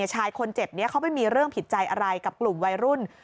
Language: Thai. ชายคนเจ็บนี้เขาไปมีเรื่องผิดใจอะไรกับกลุ่มวัยรุ่น